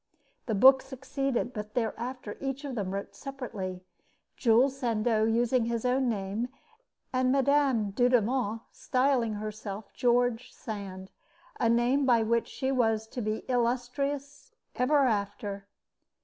The book succeeded; but thereafter each of them wrote separately, Jules Sandeau using his own name, and Mme. Dudevant styling herself George Sand, a name by which she was to be illustrious ever after.